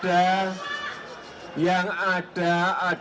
tidak ada lagi yang namanya kampret